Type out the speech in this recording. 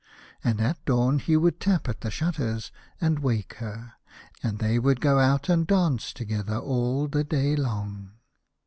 And at dawn he would tap at the shutters and wake her, and they would go out and dance together all the day long.